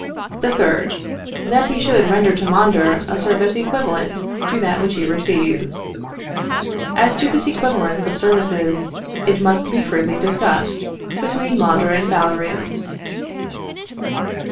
The third, that he should render to Mondor a service equivalent to that which he receives. As to this equivalence of services, it must be freely discussed between Mondor and Valerius.